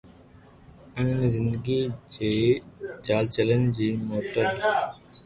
انهن کي زندگي جي چئلينجن کي موثر